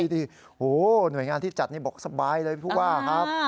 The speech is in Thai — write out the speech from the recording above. โอ้โหหน่วยงานที่จัดนี่บอกสบายเลยผู้ว่าครับ